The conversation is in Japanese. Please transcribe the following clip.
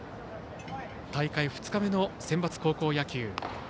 大会２日目のセンバツ高校野球。